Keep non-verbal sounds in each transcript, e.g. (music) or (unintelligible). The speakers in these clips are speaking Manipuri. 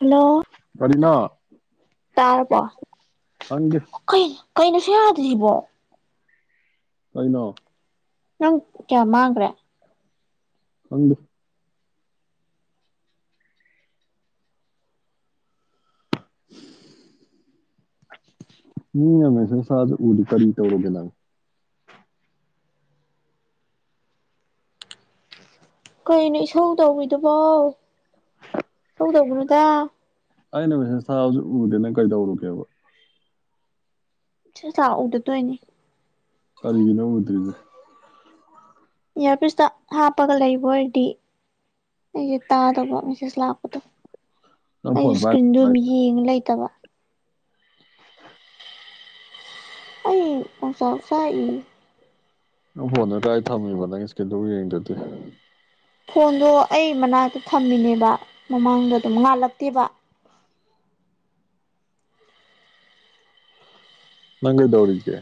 ꯍꯜꯂꯣ ꯀꯔꯤꯅꯣ ꯇꯥꯔꯕꯣ (unintelligible) ꯀꯩ ꯀꯩꯅꯣ ꯁꯨꯛꯌꯥ ꯌꯥꯗ꯭ꯔꯤꯁꯤꯕꯣ ꯀꯩꯅꯣ ꯅꯪ ꯀꯌꯥ ꯃꯥꯡꯒ꯭ꯔꯦ ꯈꯪꯗꯦ (inaudible) ꯃꯤꯅ ꯃꯦꯁꯦꯁ ꯊꯥꯔꯁꯨ ꯎꯗꯦ ꯀꯔꯤ ꯇꯧꯔꯒꯦ ꯅꯪ ꯀꯩꯅꯣ ꯏꯁꯧ ꯇꯧꯔꯤꯗꯨꯕꯣ ꯏꯁꯧ ꯇꯧꯒꯅꯨꯗ ꯑꯩꯅ ꯃꯦꯁꯦꯖ ꯊꯥꯔꯁꯨ ꯎꯗꯦ ꯅꯪ ꯀꯩꯗꯧꯔꯨꯒꯦꯕ ꯁꯦꯁ ꯊꯔꯛ ꯎꯗꯥ ꯇꯧꯏꯅꯤ ꯀꯔꯤꯅꯣ ꯎꯗ꯭ꯔꯤꯗꯤ ꯏꯌꯥꯔꯄꯤꯁꯇ ꯍꯥꯞꯄꯒ ꯂꯩꯕ ꯑꯣꯏꯔꯗꯤ ꯑꯩꯗꯤ ꯇꯥꯗꯕ ꯃꯦꯁꯦꯖ ꯂꯥꯛꯄꯗꯣ ꯅꯪ ꯐꯣꯟ ꯑꯩꯗꯤ ꯄꯥꯏ ꯁ꯭ꯀꯔꯤꯟꯗꯣ ꯑꯗꯨꯝ ꯌꯦꯡꯉ ꯂꯩꯇꯕ ꯑꯩ ꯂꯩꯆꯥꯛ ꯆꯥꯛꯏꯌꯦ ꯅꯪ ꯐꯣꯟꯗꯣ ꯀꯔꯥꯏ ꯊꯝꯃꯤꯕ ꯅꯪ ꯁ꯭ꯀꯔꯤꯟꯗꯨꯕꯛ ꯌꯦꯡꯗꯔꯗꯤ ꯐꯣꯟꯗꯣ ꯑꯩ ꯃꯅꯥꯛꯇ ꯊꯝꯃꯤꯅꯦꯕ ꯃꯃꯥꯡꯗ ꯑꯗꯨꯝ ꯉꯥꯜꯂꯛꯇꯦꯕ ꯅꯪ ꯀꯩꯗꯧꯔꯤꯒꯦ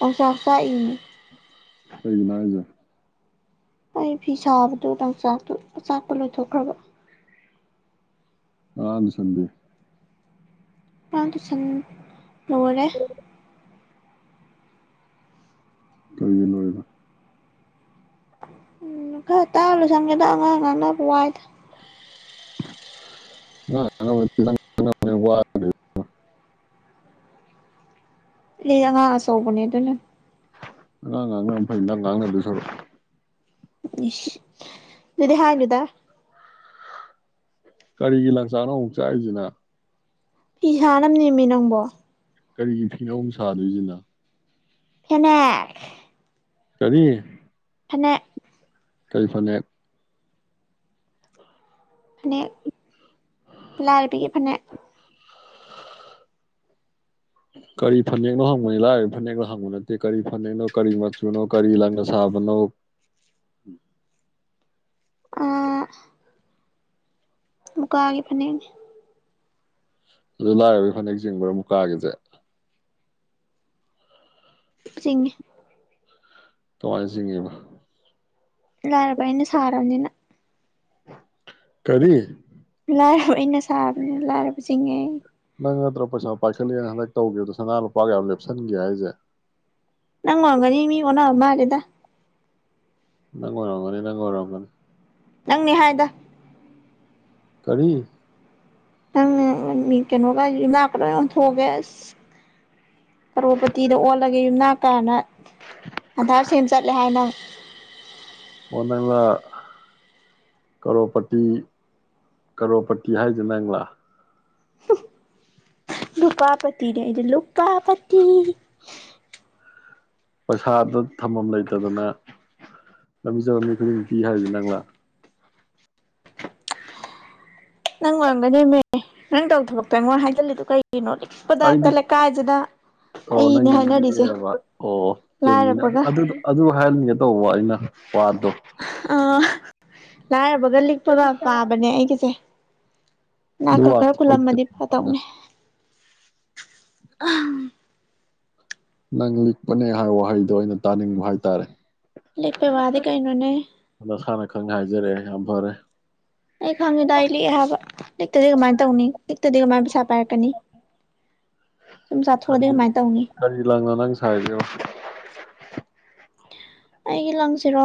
ꯂꯩꯆꯥꯛ ꯆꯥꯛꯏꯃꯤ ꯀꯩꯒꯤꯅꯣ ꯍꯥꯏꯖꯦ ꯑꯩ ꯐꯤ ꯁꯥꯕꯗꯣ ꯂꯪꯆꯥꯛꯇꯣ ꯑꯆꯥꯛꯄꯣ ꯂꯣꯏꯊꯣꯛꯈ꯭ꯔꯕ (unintelligible) ꯃꯁꯟꯗꯤ ꯑꯉꯥꯡ ꯇꯨꯁꯟ ꯂꯣꯏꯔꯦ ꯀꯔꯤꯒꯤ ꯂꯣꯏꯔꯤꯕ ꯃꯈꯥ ꯇꯥꯛꯑ ꯂꯣꯏꯁꯟꯒꯔꯦꯗ ꯑꯉꯥꯡ ꯉꯥꯡꯅꯕ ꯋꯥꯏꯗ ꯑꯉꯥꯡ ꯉꯥꯡꯅꯕ ꯅꯠꯇꯦ ꯅꯪ ꯉꯥꯡꯅꯕꯅ ꯍꯦꯟꯅ ꯋꯥꯒ꯭ꯔꯦ (unintelligible) ꯑꯩ ꯑꯉꯥꯡ ꯑꯆꯧꯕꯅꯦ ꯑꯗꯨꯅꯟ ꯑꯉꯥꯡ ꯉꯥꯡꯅꯕꯅ ꯐꯩ ꯅꯪ ꯉꯥꯡꯅꯗꯣꯏ ꯁꯔꯨꯛ ꯏꯁ ꯑꯗꯨꯗꯤ ꯍꯥꯏꯅꯨꯗ ꯀꯔꯤꯒꯤ ꯂꯪꯆꯥꯡꯅꯣ ꯑꯃꯨꯛ ꯆꯥꯛꯢꯁꯤꯅ ꯐꯤ ꯁꯥꯅꯕꯅꯦꯃꯦ ꯅꯪꯕꯣ ꯀꯔꯤꯒꯤ ꯐꯤꯅꯣ ꯑꯃꯨꯛ ꯁꯥꯗꯣꯏꯁꯤꯅ ꯐꯅꯦꯛ ꯀꯔꯤ ꯐꯅꯦꯛ ꯀꯔꯤ ꯐꯅꯦꯛ ꯐꯅꯦꯛ ꯂꯥꯔꯕꯤꯒꯤ ꯐꯅꯦꯛ ꯀꯔꯤ ꯐꯅꯦꯛꯅꯣ ꯍꯪꯕꯅꯤ ꯂꯥꯏꯔꯕꯒꯤ ꯐꯅꯦꯛꯅꯣ ꯍꯪꯕ ꯅꯠꯇꯦ ꯀꯔꯤ ꯐꯅꯦꯛꯅꯣ ꯀꯔꯤ ꯃꯆꯨꯅꯣ ꯀꯔꯤ ꯂꯪꯅ ꯁꯥꯕꯅꯣ ꯑꯥ ꯃꯨꯀꯥꯒꯤ ꯐꯅꯦꯛꯅꯦ ꯑꯗꯨ ꯂꯥꯢꯔꯕꯒꯤ ꯐꯅꯦꯛ ꯆꯤꯡꯕ꯭ꯔꯥ ꯃꯨꯀꯥꯒꯤ ꯐꯅꯦꯛꯁꯦ ꯆꯤꯡꯉꯤ ꯀꯃꯥꯢꯅ ꯆꯤꯡꯉꯤꯕ ꯂꯥꯢꯔꯕ ꯑꯩꯅ ꯁꯥꯔꯕꯅꯤꯅ ꯀꯔꯤ ꯂꯥꯏꯔꯕ ꯑꯩꯅ ꯁꯥꯕꯅꯤꯅ ꯂꯥꯏꯔꯕ ꯆꯤꯡꯉꯦ ꯅꯪ ꯅꯠꯇ꯭ꯔꯣ ꯄꯩꯥꯁꯥ ꯄꯥꯏꯈꯠꯂꯛꯑꯦꯅ ꯍꯥꯟꯗꯥꯛ ꯇꯧꯒꯤꯕꯗꯣ ꯁꯅꯥ ꯂꯨꯄꯥ ꯌꯥꯝ ꯂꯦꯞꯁꯤꯟꯒꯤ ꯍꯥꯏꯁꯦ ꯅꯪ ꯑꯣꯢꯔꯝꯒꯅꯤ ꯃꯤ ꯑꯣꯟꯅꯕ ꯃꯥꯜꯂꯤꯗ ꯅꯪ ꯑꯣꯏꯔꯝꯒꯅꯤ ꯅꯪꯉ ꯑꯣꯏꯔꯝꯒꯅꯤ ꯅꯪꯅꯤ ꯍꯥꯏꯗ ꯀꯔꯤ ꯅꯪ ꯀꯩꯅꯣꯒ ꯌꯨꯝꯅꯥꯛꯒ ꯂꯣꯢ ꯑꯣꯟꯊꯣꯛꯑꯒꯦ ꯀꯔꯣꯄꯇꯤꯗ ꯑꯣꯜꯂꯒꯦ ꯌꯨꯝꯅꯥꯛ ꯀꯅꯥ ꯑꯥꯗ꯭ꯔ ꯁꯦꯝ ꯆꯠꯂꯦ ꯍꯥꯏꯅꯦ ꯅꯪ ꯑꯣ ꯅꯪꯂ ꯀꯔꯣꯄꯇꯤ ꯀꯔꯣꯄꯇꯤ ꯍꯥꯏꯁꯤ ꯅꯪꯂꯥ ꯂꯨꯄꯥ ꯄꯥꯇꯤꯅꯦ ꯑꯠꯗꯤ ꯂꯨꯄꯥꯥ ꯄꯥꯇꯤ ꯄꯩꯁꯥꯗꯣ ꯊꯝꯐꯝ ꯂꯩꯇꯗꯅ ꯂꯝꯕꯤ ꯆꯠꯄ ꯃꯤ ꯈꯨꯗꯤꯡ ꯄꯤ ꯍꯥꯏꯁꯤ ꯅꯪꯂꯥ ꯅꯪ ꯑꯣꯢꯔꯝꯒꯅꯦꯃꯦ ꯅꯪ ꯇꯧ ꯊꯕꯛꯇꯣ ꯑꯩꯉꯣꯟ ꯍꯥꯏꯖꯤꯟꯂꯤꯗꯣ ꯀꯩꯅꯣ ꯏꯩꯅꯣ ꯏꯗ ꯑꯩꯗꯤ ꯇꯂ ꯀꯥꯖꯅ (unintelligible) ꯑꯣ ꯅꯪꯕ ꯑꯣꯝꯃꯤ ꯂꯥꯏꯔꯕꯒ (unintelligible) ꯑꯗꯨ ꯍꯥꯏꯍꯟꯒꯦ ꯇꯧꯕ ꯑꯩꯅ ꯋꯥꯗꯣ ꯑꯥ ꯂꯥꯏꯔꯕꯒ ꯂꯤꯛꯄꯒ ꯄꯥꯕꯅꯦ ꯑꯩꯒꯤꯁꯦ ꯑꯗꯨ ꯢꯅꯥꯛꯒ ꯋꯥ ꯈꯔ ꯈꯨꯂꯝꯃꯗꯤ ꯊꯣꯛꯍꯜꯂꯛꯀꯅꯤ ꯐꯠꯇꯧꯅꯦ ꯅꯪ ꯂꯤꯛꯄꯅꯦ ꯍꯥꯏꯕ ꯋꯥꯍꯩꯗꯣ ꯑꯩꯅ ꯇꯥꯅꯤꯡꯕ ꯍꯥꯏꯇꯥꯔꯦ ꯂꯤꯛꯇꯕ ꯍꯥꯢꯗꯤ ꯀꯩꯅꯣꯅꯦ ꯅꯁꯥꯅ ꯈꯪ ꯍꯥꯏꯖꯔꯛꯑꯦ ꯌꯥꯝ ꯐꯔꯦ ꯑꯩ ꯈꯪꯉꯤꯗ ꯑꯩ ꯂꯤꯛꯑꯦ ꯍꯥꯏꯕ ꯂꯤꯛꯇꯗꯤ ꯀꯃꯥꯏꯅ ꯇꯧꯅꯤ ꯂꯤꯛꯇꯗꯤ ꯀꯃꯥꯏꯅ ꯄꯩꯁꯥ ꯄꯥꯏꯔꯛꯀꯅꯤ ꯁꯨꯝ ꯀꯔꯤ ꯆꯥꯊꯣꯛꯑꯗꯤ ꯀꯃꯥꯏꯅ ꯇꯧꯅꯤ ꯀꯔꯤ ꯂꯪꯅꯣ ꯅꯪ ꯁꯥꯔꯤꯁꯤꯕꯣ ꯑꯩꯒꯤ ꯂꯪꯁꯤꯔꯣ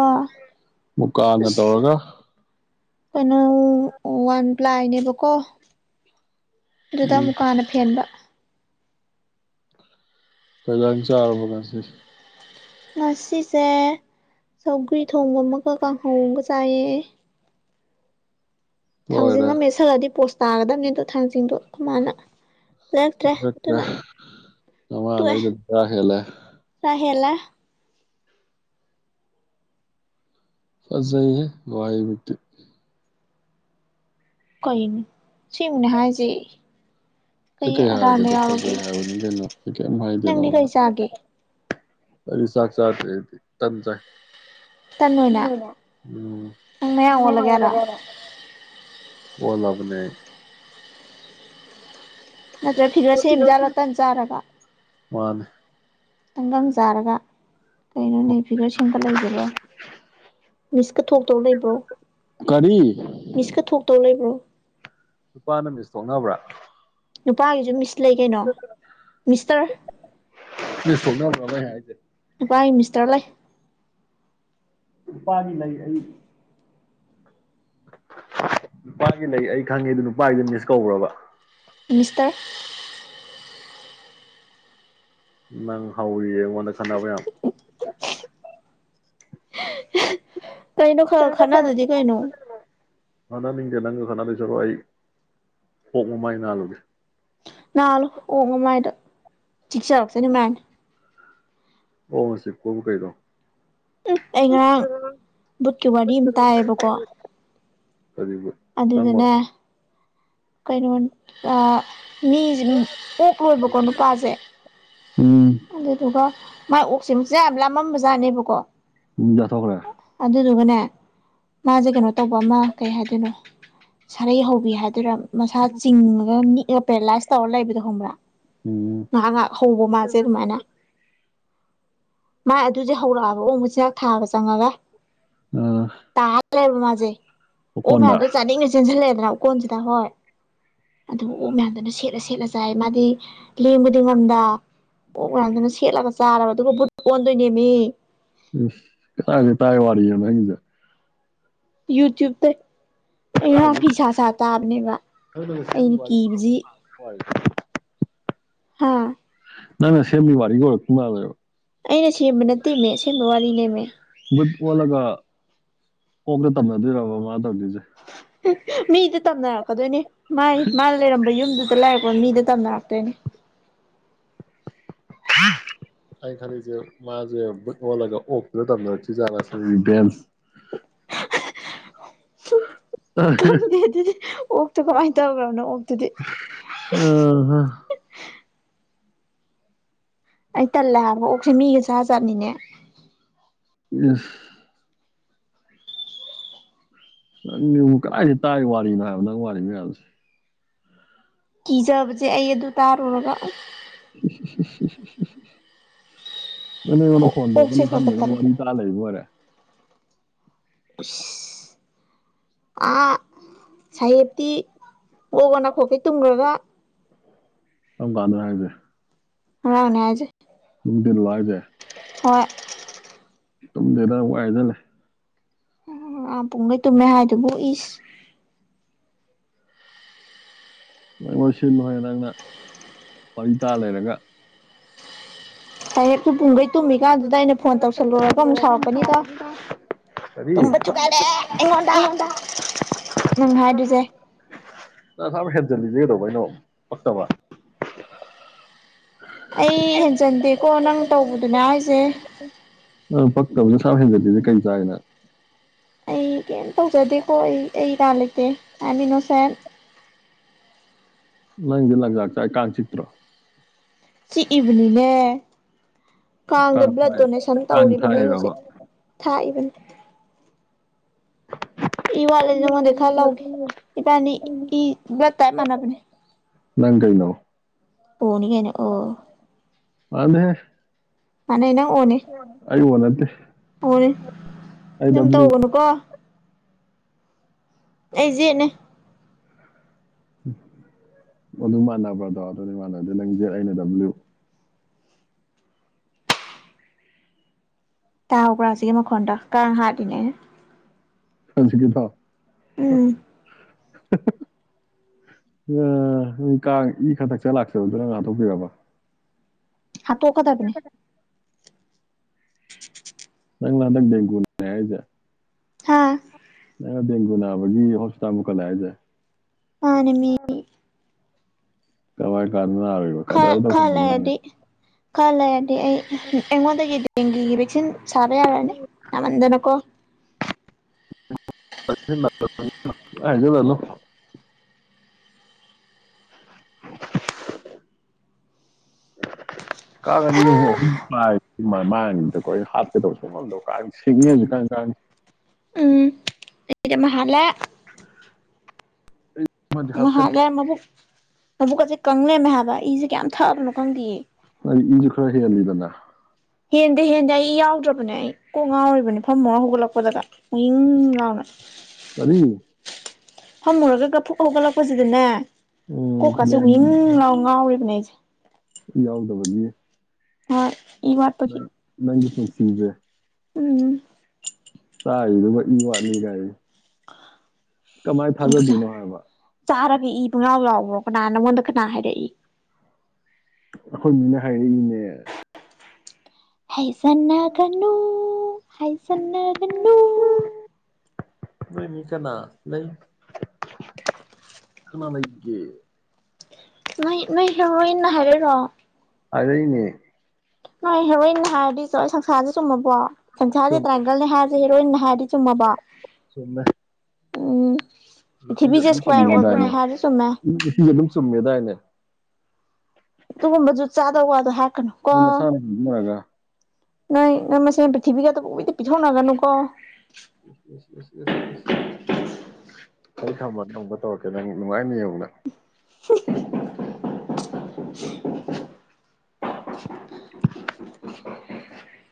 ꯃꯨꯛꯀꯅ ꯑꯁ ꯇꯧꯔꯒ ꯀꯩꯅꯣ ꯋꯥꯟ ꯄ꯭ꯂꯥꯏꯅꯦꯕꯀꯣ ꯑꯗꯨꯗꯥ ꯎꯝ ꯃꯨꯀꯥꯅ ꯐꯦꯟꯕ ꯀꯩ ꯌꯦꯟꯖꯥꯡ ꯆꯥꯔꯕ ꯉꯁꯤ ꯉꯁꯤꯁꯦ ꯁꯧꯒ꯭ꯔꯤ ꯊꯣꯡꯕꯥ ꯑꯃꯒ ꯀꯥꯡꯍꯧ ꯑꯃꯥꯒ ꯆꯥꯏꯌꯦ ꯊꯥꯡꯖꯤꯡ ꯂꯣꯏꯔꯦ ꯑꯃ ꯃ‌ꯦꯠꯁꯜ ꯂꯗꯤ ꯄꯣꯁ ꯇꯥꯒꯗꯕꯅꯤ ꯑꯗꯣ ꯊꯥꯡꯖꯤꯡꯗꯣ ꯑꯈ‌ꯣꯏ ꯃꯅꯥ (unintelligible) ꯑꯃꯥ ꯂꯩꯕꯗ ꯍꯦꯜꯂꯦ ꯇ ꯍꯦꯜꯂ‌ꯦ ꯐꯖꯩ ꯍ‌ꯦ ꯋꯥꯍꯩ ꯗꯨꯗꯤ ꯀꯩꯅ‌ꯣ ꯁ‌ꯦꯡꯕꯥ ꯍꯥꯏꯖ‌ꯦ ꯑꯩ ꯀꯩ ꯍꯥꯏꯔꯒꯦꯗꯣ ꯐꯖꯩ ꯍꯥꯏꯕꯅꯤ ꯀꯩꯅꯣ ꯑꯩ ꯀꯩꯌꯝ ꯍꯥꯏꯗꯦ ꯅꯪꯗꯤ ꯀꯩ ꯅꯪꯉꯣꯟꯗꯥ ꯆꯥꯒꯦ ꯑꯩ ꯆꯥꯛ ꯆꯥꯗꯔ‌ꯦ ꯑꯩꯗꯤ ꯇꯟ ꯆꯥꯏ ꯇꯟ ꯑꯣꯏꯅ (unintelligible) ꯅꯪ ꯃꯌꯥꯡ ꯎꯝ ꯑꯣꯜꯂꯒꯦ ꯍꯥꯏꯔꯣ (unintelligible) ꯑꯣꯜꯂꯥ ꯕꯅꯦ ꯅꯠꯇ꯭ꯔ ꯐꯤꯒꯔ ꯁꯦꯝꯃꯤ ꯖꯥꯠꯂ‌ꯣ ꯇꯟ ꯆꯥꯔꯒ ꯃꯥꯅꯦ ꯇꯪꯒꯪ ꯆꯥꯔꯒ ꯀꯩꯅꯣꯅꯦ ꯐꯤꯒꯔ ꯁꯦꯝꯒꯠ ꯂꯛꯏꯁꯤꯕꯣ ꯃꯤꯁ ꯀꯥ ꯊꯣꯛꯇꯧ ꯂꯩꯕ꯭ꯔꯣ ꯀꯔꯤ ꯃꯤꯁ ꯀꯥ ꯊꯣꯛꯇꯧ ꯂꯩꯕ꯭ꯔꯣ ꯅꯨꯨꯄꯥꯅ ꯃꯤꯁ ꯊꯣꯛꯅꯕ꯭ꯔꯥ ꯅꯨꯄꯥꯒꯤꯖꯨ ꯃꯤꯁ ꯂꯩ ꯀꯩꯅꯣ ꯃꯤꯁꯇꯔ ꯃꯤꯁ ꯊ‌ꯣꯛꯅꯕꯔꯕꯥ ꯑꯩ ꯍꯥꯖ‌ꯦ ꯅꯨꯄꯥꯏ ꯃꯤꯁꯇꯔ ꯂꯩ ꯅꯨꯄꯥꯒꯤ ꯂꯩ ꯑꯩ ꯅꯨꯄꯥꯒꯤ ꯂꯩ ꯑꯩ ꯈꯪꯉꯦ ꯑꯗꯨ ꯅꯨꯄꯥꯒꯤꯗꯤ ꯃꯤꯁ ꯀꯧꯕꯔꯕꯥ ꯃꯤꯁꯇꯔ ꯅꯪ ꯍꯧꯔꯤꯌ‌ꯦ ꯑꯩꯉꯣꯟꯗ ꯈꯟꯅꯕ ꯌꯥꯝ ꯀꯩꯅ‌ꯣ ꯈ ꯈ ꯈꯅꯗꯗꯤ ꯀꯩꯅ‌ꯣ ꯈꯅꯥꯅꯤꯡꯗꯦ ꯅꯪꯒ ꯈꯅꯗ‌ꯣꯏ ꯁꯔꯨꯛ ꯑꯩ ꯑ‌ꯣꯛ ꯃꯃꯥꯏ ꯅꯥꯜꯂꯨꯒꯦ ꯅꯥꯜꯂꯨ ꯑꯣꯛ ꯃꯃꯥꯏꯗ ꯆꯤꯛꯆꯔꯛꯁꯅꯤ ꯃꯥꯏꯅꯥ ꯑꯣꯛ ꯅꯥ ꯆꯤꯛ ꯄꯕꯨ ꯀꯩꯅ‌ꯣ ꯑꯩ ꯉꯔꯥꯡ ꯕꯨꯠꯀꯤ ꯋꯥꯔꯤ ꯑꯝ ꯇꯥꯏꯌꯦꯕꯀꯣ ꯀꯔꯤ ꯕꯨꯠ ꯑꯗꯨꯗꯅꯦ ꯀꯩꯅꯣꯅ‌ꯦ ꯑ ꯃꯤꯖ‌ꯦ ꯑꯣꯛ ꯂꯣꯏꯕꯀꯣ ꯅꯨꯄꯥꯖ‌ꯦ ꯎꯝ ꯑꯗꯨꯗꯨꯒ ꯃꯥꯏ ꯑꯣꯛꯁ‌ꯦ ꯃꯆꯤꯟꯖꯥꯛ ꯌꯥꯝ ꯂꯥꯃꯝꯕꯖꯥꯅꯦꯕꯀꯣ ꯎꯝ ꯆꯥꯊꯣꯛꯈ꯭ꯔꯦ ꯑꯗꯨꯗꯨꯒꯅꯦ ꯃꯥꯖ‌ꯦ ꯀꯩꯅꯣ ꯇꯧꯕ ꯑꯃꯥ ꯀꯩ ꯍꯥꯏꯗꯣꯏꯅꯣ ꯁꯥꯔꯩ ꯍꯧꯕꯤ ꯍꯥꯏꯗ‌ꯣꯏꯔꯥ ꯃꯁꯥ ꯆꯤꯡꯉꯒꯥ ꯅꯤꯛꯑꯒ ꯄꯦꯔꯥꯂꯥꯏꯁ ꯇꯧꯔ ꯂꯩꯕꯗꯣ ꯍꯣꯡꯕ꯭ꯔꯥ ꯎꯝ ꯉꯍꯥꯛ ꯉꯍꯥꯛ ꯍꯧꯕ ꯃꯥꯖ‌ꯦ ꯑꯗꯨꯃꯥꯏꯅꯥ ꯃꯥꯏ ꯑꯗꯨꯖ‌ꯦ ꯍꯧꯔꯛꯑꯕ ꯑꯣꯛ ꯃꯆꯤꯟꯖꯥꯛ ꯊꯥꯕ ꯆꯪꯉꯒꯥ ꯎꯝ ꯇꯥ ꯂꯩꯔꯦꯕ ꯃꯥꯖ‌ꯦ ꯑꯣꯛ ꯃꯌꯥꯝ ꯖꯤꯅꯥ ꯆꯥꯅꯤꯡ ꯅ ꯆꯦꯟꯖꯜꯂꯛ ꯑꯦꯗꯅ ꯑ‌ꯣꯀꯣꯟꯖꯤꯗꯥ ꯍꯣꯏ ꯑꯗꯨꯒ ꯑꯣꯛ ꯃꯌꯥꯝꯗꯨꯅ ꯁꯦꯠꯂ ꯁꯦꯠꯂ ꯆꯥꯏ ꯃꯥꯗꯤ ꯂꯦꯡꯕꯗꯤ ꯉꯝꯗꯥ ꯑ‌ꯣꯛ ꯃꯌꯥꯝꯗꯨꯅꯥ ꯁꯦꯠꯂꯒ ꯆꯥꯔꯕ ꯑꯗꯨꯒ ꯕꯨꯠ ꯑ‌ꯣꯟꯗꯣꯏꯅꯦꯃꯤ ꯀꯥꯏꯗꯩ ꯇꯥꯏ ꯋꯥꯔꯤ ꯅ‌ꯣ ꯅꯪꯒꯤꯗ‌ꯣ ꯌꯨꯇ꯭ꯌꯨꯕ ꯇꯩ ꯑꯩꯉꯔꯥꯡ ꯐꯤ ꯁꯥ ꯁꯥ ꯇꯥꯕꯅꯦꯕ ꯑꯩꯅ ꯀꯤꯕꯖꯤ ꯍꯣꯏ ꯍꯥꯥ ꯅꯪ ꯅ ꯁꯦꯝꯃꯤ ꯋꯥꯔꯤꯒ ꯑꯣꯏꯔꯛꯄ ꯃꯥꯜꯂ‌ꯦꯕ ꯑꯩꯅ ꯁꯦꯝꯕ ꯅꯠꯇꯦꯃꯤ ꯑꯁꯦꯝꯕ ꯋꯥꯔꯤꯅꯦꯃꯤ ꯕꯨꯠ ꯑꯣꯜꯂꯒ ꯑꯣꯛꯇ ꯇꯝꯅꯗꯣꯏꯔꯕ ꯃꯥ ꯇꯧꯗꯣꯏꯖꯦ ꯃꯤꯗ ꯇꯝꯅꯔꯛꯀꯗꯣꯏꯅꯦ ꯃꯥꯥꯏ ꯃꯥꯅ ꯂꯩꯔꯝꯕ ꯌꯨꯝꯗꯨꯗ ꯂꯩꯔꯛꯄ ꯄꯃꯤꯗ ꯇꯝꯅꯔꯛꯇꯣꯏꯅꯦ (unintelligible) ꯑꯩ ꯈꯜꯂꯤꯖꯦ ꯃꯥꯖꯦ ꯚꯨꯠ ꯑꯣꯜꯂꯒ ꯑꯣꯛꯇꯨꯗ ꯇꯝꯅꯔꯛꯇꯣꯏꯖꯥꯠꯂ ꯁꯤꯅꯤ ꯔꯤꯚꯦꯟꯁ ꯍꯨꯝ ꯈꯪꯗꯦ ꯑꯗꯨꯗꯤ ꯑꯣꯛꯇ ꯀꯃꯥꯏꯟ ꯇꯧꯒꯔꯕꯅꯣ ꯑꯣꯛꯇꯨꯗꯤ ꯎꯝꯍꯨꯝ ꯑꯩ ꯇꯜꯂꯦ ꯍꯥꯏꯕ ꯑꯣꯛꯁꯦ ꯃꯤꯒ ꯁꯥꯥꯖꯥꯠꯅꯤꯅꯦ (unintelligible) ꯅꯪꯖꯤꯕꯨ ꯀꯗꯥꯏꯗꯩ ꯇꯥꯏ ꯋꯥꯔꯤꯅꯣ ꯍꯥꯏꯕ ꯅꯪ ꯋꯥꯔꯤ ꯃꯌꯥꯝꯁꯦ ꯀꯤꯖꯕꯖꯦ ꯑꯩ ꯑꯗꯨ ꯇꯥꯔꯨꯔꯒ ꯅꯪꯗꯤ ꯑꯩꯉꯣꯟꯗ ꯐꯣꯟ ꯀꯣꯛꯁꯦ ꯇꯧꯔꯛꯀꯅꯤ ꯈꯔ ꯈꯔ ꯈꯟꯗꯕꯩ ꯇꯜꯂꯦ ꯋꯥꯔꯤ ꯇꯔꯥ ꯂꯩꯔꯤꯕ ꯑꯣꯏꯔꯦ ꯏꯁ ꯑ ꯁꯥꯍꯦꯞꯇꯤ ꯒꯣꯛ ꯒꯣꯛ ꯅꯈꯣꯛꯈꯩ ꯇꯨꯝꯒ꯭ꯔꯒ ꯀꯝꯀꯥꯟꯗꯅꯣ ꯍꯥꯏꯖꯦ ꯉꯔꯥꯡꯅꯦ ꯍꯥꯏꯖꯦ ꯅꯨꯡꯗꯤꯜꯂꯣ ꯍꯥꯏꯖꯦ ꯍꯣꯏ ꯇꯨꯝꯗꯦꯗ ꯋꯥꯏꯍꯥꯏꯖꯜ ꯂꯩ ꯑ ꯄꯨꯡꯒꯩ ꯇꯨꯝꯃꯦ ꯍꯥꯏꯗꯨꯕꯨ ꯏꯁ ꯅꯪꯂꯣꯏ ꯁꯤꯜꯂꯨ ꯍꯦ ꯅꯪꯅ ꯋꯥꯔꯤ ꯇꯥ ꯂꯩꯔꯒ (unintelligible) ꯄꯨꯡꯒꯩ ꯇꯨꯝꯃꯤꯀꯥꯟꯗꯨꯗ ꯑꯩꯅ ꯐꯣꯟ ꯇꯧꯁꯜꯂꯨꯔꯒ ꯑꯃꯨꯛ ꯁꯥꯎꯔꯛꯀꯅꯤꯗ ꯀꯔꯤ ꯇꯨꯝꯕ ꯊꯨꯒꯥꯏꯔꯦ ꯑꯩꯉꯣꯟꯗ ꯅꯪ ꯍꯥꯏꯗꯨꯁꯦ ꯅꯪ ꯑꯁꯨꯛ ꯌꯥꯝ ꯍꯦꯟꯖꯜꯂꯤꯖꯦ ꯀꯩꯗꯧꯕꯩꯅꯣ ꯄꯛꯇꯕ ꯑꯩ ꯍꯦꯟꯖꯟꯗꯦꯀꯣ ꯅꯪ ꯇꯧꯕꯗꯨꯅꯦ ꯍꯥꯏꯖꯦ ꯑꯪ ꯄꯛꯇꯕꯅ ꯑꯁꯨꯛ ꯌꯥꯝ ꯍꯦꯟꯖꯜꯂꯤꯖꯦ ꯀꯩ ꯆꯥꯏꯒꯦ ꯅꯪ ꯑꯩ ꯀꯩꯝ ꯇꯧꯖꯗꯦꯀꯣ ꯑꯩ ꯑꯩ ꯏꯔꯥꯜ ꯂꯩꯇꯦ ꯑꯥꯏ ꯑꯦꯝ ꯃꯤꯅꯣꯁꯦꯟ ꯅꯪꯗꯨ ꯂꯪꯆꯥꯛ ꯆꯥꯛꯏ ꯀꯥꯡ ꯆꯤꯠꯇ꯭ꯔꯣ ꯆꯤꯛꯏꯕꯅꯤꯅꯦ ꯀꯥꯡꯗ ꯀꯥꯡ ꯕ꯭ꯂꯠ ꯊꯥꯏ ꯗꯣꯅꯦꯁꯟ ꯀꯥꯡ ꯇꯧꯔꯤꯕꯅꯦ ꯑꯩ ꯊꯥꯛꯏꯔꯕ ꯍꯧꯖꯤꯛ ꯊꯥꯛꯏꯕꯅꯤ ꯏ ꯋꯥꯠꯂꯗꯤ ꯅꯉꯣꯟꯗꯩ ꯈꯔ ꯂꯧꯒꯦ ꯏꯕꯅꯤ ꯏ ꯕ꯭ꯂꯠ ꯇꯥꯏꯞ ꯃꯥꯅꯕꯅꯦ ꯅꯪ ꯀꯩꯅꯣ ꯑꯣꯅꯤ ꯀꯩꯅꯣ ꯑꯣ ꯃꯥꯟꯗꯦꯍꯦ ꯃꯥꯟꯅꯩ ꯅꯪ ꯑꯣꯅꯦ ꯑꯩ ꯑꯣ ꯅꯠꯇꯦ ꯑꯣꯅꯦ ꯑꯩ ꯑꯗꯨꯝ ꯗꯕ꯭ꯂꯤꯎ ꯇꯧꯒꯅꯨꯀꯣ ꯑꯩ ꯖꯦꯠꯅꯦ ꯑꯗꯨ ꯃꯥꯟꯅꯕ꯭ꯔꯗꯣ ꯑꯗꯨꯅꯤ ꯃꯥꯟꯅꯗꯦ ꯅꯪ ꯖꯦꯠ ꯑꯩꯅ ꯗꯕꯜ ꯏꯌꯨ ꯇꯥꯍꯧꯕ꯭ꯔꯥ ꯍꯧꯖꯤꯛꯀꯤ ꯃꯈꯣꯟꯗꯣ ꯀꯥꯡ ꯍꯥꯠꯂꯤꯅꯤ ꯑꯩꯅ ꯍꯧꯖꯤꯛꯀꯤꯗꯣ ꯎꯝ ꯃꯤ ꯀꯥꯡ ꯏ ꯈꯔ ꯊꯛꯆꯥ ꯂꯥꯛꯆꯕꯗꯨ ꯅꯪꯅ ꯉꯥꯛꯊꯣꯛꯄꯤꯔꯕ ꯍꯥꯥꯠꯇꯣꯛꯀꯗꯕꯅꯦ (inaudible) ꯅꯪꯂ ꯍꯟꯗꯛ ꯕꯦꯡꯒꯣꯂꯤꯅꯤ ꯍꯥꯏꯖꯦ ꯍꯥꯥ ꯅꯪ ꯗꯦꯡꯒꯨ ꯅꯥꯕꯒꯤ ꯍꯣꯁꯄꯤꯇꯥꯜ ꯄꯨꯈꯠꯂꯦ ꯍꯥꯏꯁꯦ ꯃꯥꯅꯦꯃꯤ ꯀꯃꯥꯏ ꯀꯥꯟ ꯅꯔꯨꯏ ꯈꯥ ꯈ ꯂꯩꯔꯗꯤ ꯈꯔ ꯂꯩꯔꯗꯤ ꯑꯩ ꯑꯩꯉꯣꯟꯗꯒꯤ ꯗꯦꯡꯒꯤꯒꯤ ꯚꯦꯛꯁꯤꯟ ꯁꯥꯕ ꯌꯥꯔꯅꯤ ꯌꯥꯝꯃꯟꯗꯅꯀꯣ ꯄꯪꯍꯥꯏ ꯍꯥꯏꯖꯜꯂꯅꯨ ꯀꯥꯒꯅꯤꯕꯣ ꯃꯃꯥꯡꯒꯤꯗꯀꯣ ꯑꯩ ꯍꯥꯠꯀꯦꯗꯧꯁꯦ ꯉꯝꯗꯕ ꯀꯥꯟ ꯁꯤꯡꯉꯦ ꯍꯧꯖꯤꯛꯀꯥꯟ ꯀꯥꯡ ꯎꯝ ꯑꯩꯗꯤ ꯑꯃ ꯍꯠꯂꯦ ꯑꯃꯗꯤ ꯑꯃ ꯍꯥꯠꯀꯅꯤ ꯍꯥꯠꯂꯦ ꯃꯕꯨꯛ ꯃꯕꯨꯛ ꯀꯁꯦ ꯀꯪ ꯂꯩꯔꯝꯃꯦ ꯍꯥꯏꯕ ꯏꯖꯦ ꯀꯌꯥꯝ ꯊꯛꯑꯕꯅꯣ ꯈꯪꯗꯤꯌꯦ ꯑꯩ ꯏꯖꯨ ꯈꯔ ꯍꯦꯜꯂꯤꯗꯅꯥ ꯍꯦꯟꯗꯤ ꯍꯦꯟꯗꯦ ꯑꯩ ꯏ ꯌꯥꯎꯗ꯭ꯔꯕꯅꯦ ꯑꯩ ꯀꯣꯛ ꯉꯥꯎꯔꯤꯕꯅꯦ ꯐꯝꯃ ꯍꯧꯒꯠꯂꯛꯄꯗꯒ ꯍꯏꯪ ꯂꯥꯎꯅ ꯀꯔꯤ ꯐꯝꯃꯨꯔꯒ ꯐꯨꯛꯀ ꯍꯧꯒꯠꯂꯛꯄꯁꯤꯗꯅꯦ ꯎꯝ ꯀꯣꯛꯀꯥꯁꯦ ꯋꯤꯡ ꯂꯥꯎ ꯉꯥꯎꯔꯤꯕꯅꯦ ꯑꯩꯁꯦ ꯏ ꯌꯥꯎꯗꯕꯒꯤ ꯍꯣꯏ ꯏ ꯋꯥꯠꯄꯒꯤ ꯅꯪꯒꯤ ꯄꯨꯟꯁꯤꯖꯦ ꯎꯝ ꯆꯥꯔꯤꯗꯨꯒ ꯏ ꯋꯥꯠꯂꯤ ꯒꯥꯏ ꯀꯃꯥꯏ ꯊꯥꯖꯗꯣꯏꯅꯣ ꯍꯥꯏꯕ ꯆꯥꯔꯒ ꯏ ꯄꯪꯌꯥꯎ ꯌꯥꯎꯕ꯭ꯔꯣ ꯀꯅꯥ ꯅꯪꯉꯣꯟꯗ ꯀꯅꯥ ꯍꯥꯏꯔꯛꯏ ꯑꯩꯈꯣꯏ ꯃꯤꯅ ꯍꯥꯏꯔꯛꯏꯅꯦ ꯍꯥꯏꯖꯟꯅꯒꯅꯨ ꯍꯥꯏꯖꯟꯅꯒꯅꯨ ꯅꯣꯏ ꯃꯤ ꯀꯅꯥ ꯂꯩ ꯀꯅꯥ ꯂꯩꯒꯦ ꯅꯣꯏ ꯅꯣꯏ ꯍꯦꯔꯣꯏꯟꯅ ꯍꯥꯏꯔꯛꯏꯔꯣ ꯍꯥꯏꯔꯛꯏꯅꯦ ꯅꯣꯏ ꯍꯦꯔꯣꯏꯟꯅ ꯍꯥꯏꯔꯗꯤ ꯁꯪꯁꯥꯔꯁꯦ ꯆꯨꯝꯃꯕꯣ ꯁꯪꯁꯔꯁꯦ ꯆꯨꯝꯃꯦ ꯇ꯭ꯔꯥꯏꯒꯜꯅꯤ ꯍꯥꯏꯔ ꯍꯦꯔꯣꯏꯟ ꯅ ꯍꯥꯏꯔꯗꯤ ꯆꯨꯝꯃꯕꯣ ꯆꯨꯝꯃꯦ ꯎꯝ ꯄ꯭ꯔꯤꯊꯤꯕꯤꯁꯦ ꯏꯁꯀ꯭ꯋꯥꯔ ꯑꯣꯏꯕꯅꯦ ꯍꯥꯏꯔꯖꯨ ꯆꯨꯝꯃꯦ ꯅꯨꯄꯤ ꯑꯗꯨꯝ ꯆꯨꯝꯃꯦꯗꯥꯏꯅꯦ ꯑꯗꯨꯒꯨꯝꯕ ꯖꯨꯠ ꯆꯥꯗꯕ ꯋꯥꯗꯣ ꯍꯥꯏꯔꯛꯀꯅꯨ ꯅꯣꯏ ꯅꯁꯥꯅ (unintelligible) ꯅꯣꯏ ꯅꯣꯏ ꯃꯁꯦꯟ ꯄ꯭ꯔꯤꯊꯤꯕꯤꯒ (unintelligible) ꯄꯤꯊꯣꯛꯅꯒꯅꯨ ꯀꯣ (unintelligible) ꯑꯩ ꯊꯝꯃꯒꯦ ꯑꯃꯨꯛꯀ ꯇꯧꯔꯛꯀꯦ ꯅꯪ ꯅꯨꯡꯉꯥꯏꯅꯤ ꯌꯦꯡꯉꯨ ꯅꯪ (inaudible) (inaudible) (inaudible) (inaudible)